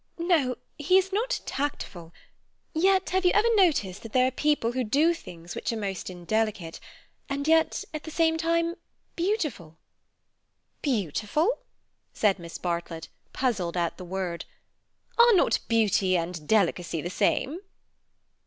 No, he is not tactful; yet, have you ever noticed that there are people who do things which are most indelicate, and yet at the same time—beautiful?" "Beautiful?" said Miss Bartlett, puzzled at the word. "Are not beauty and delicacy the same?"